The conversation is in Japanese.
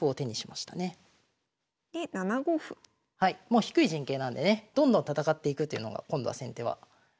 もう低い陣形なんでねどんどん戦っていくというのが今度は先手は。